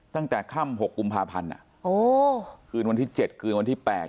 ตั้งแต่ค่ำหกกุมภาพันธ์อ่ะโอ้คืนวันที่เจ็ดคืนวันที่แปด